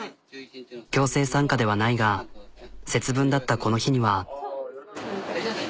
強制参加ではないが節分だったこの日には。